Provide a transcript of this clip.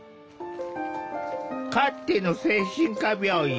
かつての精神科病院